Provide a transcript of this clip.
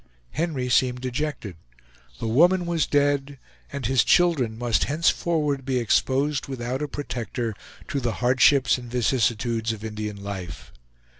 Henry seemed dejected. The woman was dead, and his children must henceforward be exposed, without a protector, to the hardships and vicissitudes of Indian life.